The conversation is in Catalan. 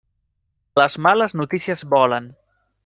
Les males notícies volen.